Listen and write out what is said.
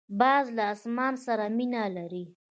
باز له اسمان سره مینه لري